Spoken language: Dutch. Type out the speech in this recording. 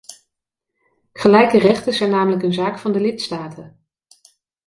Gelijke rechten zijn namelijk een zaak van de lidstaten.